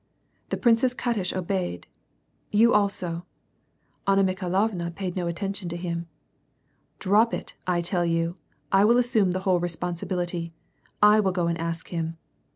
" The Princess Katish obeyed. " You also !" Anna Mikhailovna paid no attention to him. *• Drop it, 1 tell you. I will assume the whole responsibility. I will go and ask him.